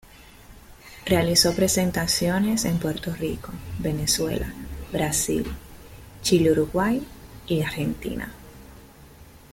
Realizó presentaciones en Puerto Rico, Venezuela, Brasil, Chile Uruguay y Argentina.